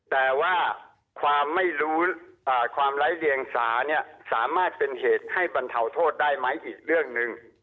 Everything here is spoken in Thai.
แต่ว่าความไม่รู้ความไร้เรียงสาเนี่ยสามารถเป็นเหตุให้บรรเทาโทษได้ไหมอีกเรื่องหนึ่ง